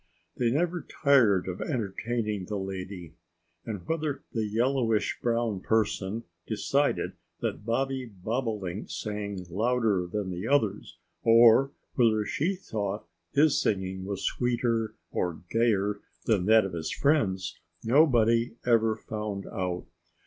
They never tired of entertaining the lady. And whether the yellowish brown person decided that Bobby Bobolink sang louder than the others, or whether she thought his singing was sweeter or gayer than that of his friends, nobody ever found out.